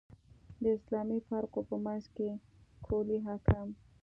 د اسلامي فرقو په منځ کې کُلي احکام.